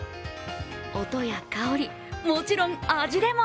音や香り、もちろん味でも！